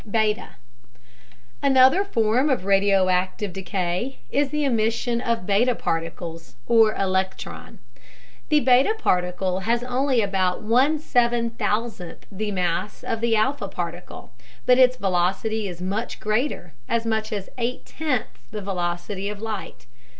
Beta Another form of radioactive decay is the emission of a beta particle, or electron. The beta particle has only about one seven thousandth the mass of the alpha particle, but its velocity is very much greater, as much as eight tenths the velocity of light.